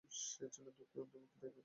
সে ছিল দুঃখী, অন্তর্মুখী টাইপের।